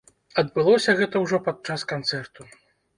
Адбылося гэта ўжо падчас канцэрту.